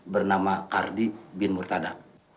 bernama kardi bin murtadha